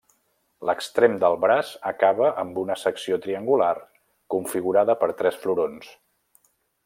L'extrem del braç acaba amb una secció triangular configurada per tres florons.